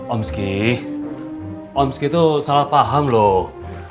om ski om ski itu salah paham loh